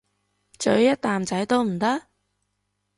咀一啖仔都唔得？